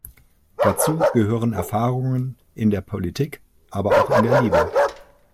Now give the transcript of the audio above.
Dazu gehören Erfahrungen in der Politik, aber auch in der Liebe.